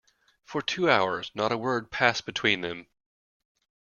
For two hours not a word passed between them.